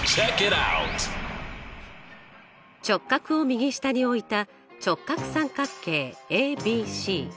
直角を右下に置いた直角三角形ＡＢＣ。